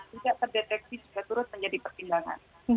tidak terdeteksi juga turut menjadi pertimbangan